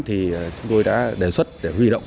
thì chúng tôi đã đề xuất để huy động